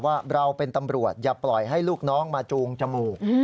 ว่าเราเป็นตำรวจอย่าปล่อยให้ลูกน้องมาจูงจมูก